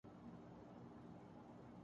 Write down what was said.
میں اپنے دوست کے ساتھ پارک میں جاتا ہوں۔